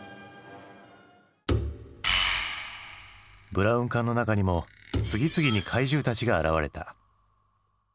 ブラウン管の中にも次々に怪獣たちが現れた。